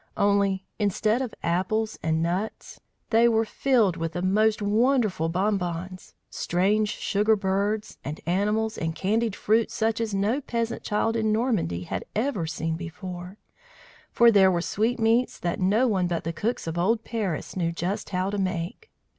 Only instead of apples and nuts, they were filled with the most wonderful bonbons; strange sugar birds, and animals, and candied fruits such as no peasant child in Normandy had ever before seen; for they were sweetmeats that no one but the cooks of old Paris knew just how to make.